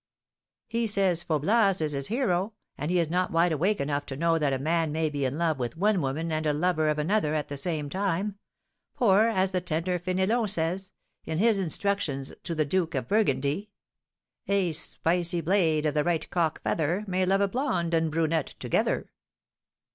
"He says Faublas is his hero, and he is not 'wide awake' enough to know that a man may be in love with one woman and a lover of another at the same time; for, as the tender Fénélon says, in his Instructions to the Duke of Burgundy: 'A spicy blade, of the right cock feather, May love a blonde and brunette together.'"